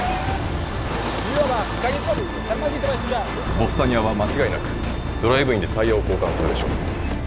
ヴォスタニアは間違いなくドライブインでタイヤを交換するでしょう